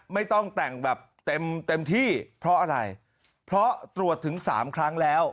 ไม่ต้องแต่งแบบเต็มเต็มที่เพราะอะไรเพราะตรวจถึงสามครั้งแล้ว